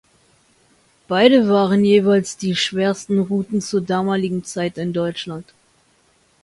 Beide waren jeweils die schwersten Routen zur damaligen Zeit in Deutschland.